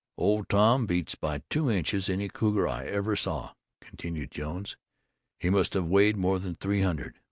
"Old Tom beats, by two inches, any cougar I ever saw," continued Jones. "He must have weighed more than three hundred.